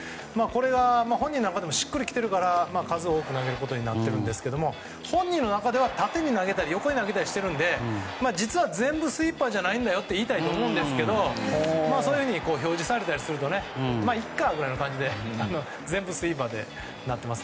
これが、本人の中でもしっくり来ているから数多く投げることになっているんですが本人の中では縦に投げたり横に投げたりしているので実は、全部スイーパーじゃないんだよと言いたいと思うんですけどそういうふうに表示されたりするとまあいっかみたいな感じで全部スイーパーになってますね。